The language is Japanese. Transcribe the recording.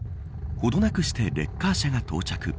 ほどなくしてレッカー車が到着。